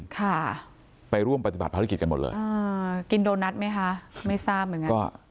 ค่ะไปร่วมปฏิบัติภารกิจกันหมดเลยอ่ากินโดนัทไหมคะไม่ทราบเหมือนกันก็